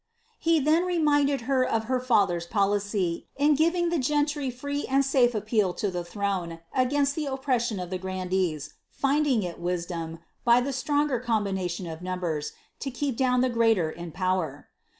lie then reminded her of her father's piolicy, id giving the gentry free and safe appeal to the throne against the oppres sion of the grandees, finding it wisdom, by the stronger combination of numbers, to keep down the greater in power.